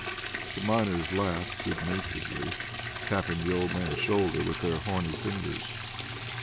The miners laughed good naturedly, tapping the old man's shoulder with their horny fingers.